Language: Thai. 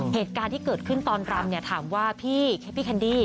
เหตุการณ์ที่เกิดขึ้นตอนรำเนี่ยถามว่าพี่แค่พี่แคนดี้